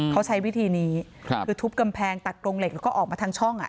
เขาใช้วิธีนี้คือทุบกำแพงตัดกรงเหล็กแล้วก็ออกมาทางช่องอ่ะ